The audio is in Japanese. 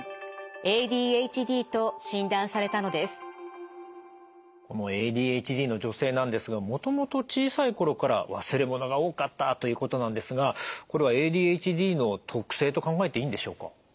あとこのＡＤＨＤの女性なんですがもともと小さい頃から忘れ物が多かったということなんですがこれはＡＤＨＤの特性と考えていいんでしょうか。